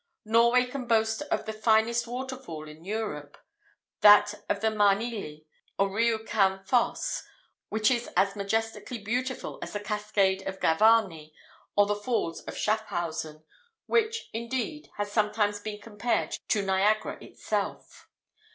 Norway can boast of the finest waterfall in Europe: that of the Maan ily, or Riukan foss, which is as majestically beautiful as the cascade of Gavarni or the falls of Schaffhausen which, indeed, has sometimes been compared to Niagara itself.